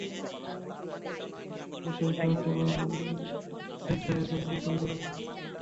আর সর্বশেষ কাজ এবার এডভেঞ্চারের জন্য আপনি পুরোপুরি প্রস্তুত।